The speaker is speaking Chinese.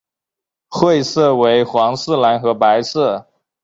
会色为皇室蓝和白色。